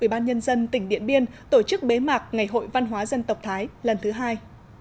ubnd tỉnh điện biên tổ chức bế mạc ngày hội văn hóa dân tộc thái lần thứ hai